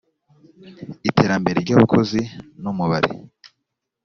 iterambere ryabakozi n umubare